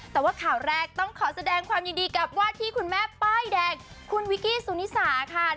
แต่ว่าข่าวแรกต้องขอแสดงความยินดีกับว่าที่คุณแม่ป้ายแดงคุณวิกกี้สุนิสาค่ะ